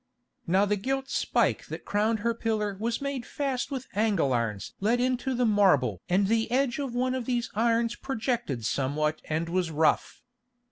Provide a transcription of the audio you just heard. Now the gilt spike that crowned her pillar was made fast with angle irons let into the marble and the edge of one of these irons projected somewhat and was rough.